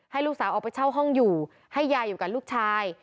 ลูกสาวออกไปเช่าห้องอยู่ให้ยายอยู่กับลูกชาย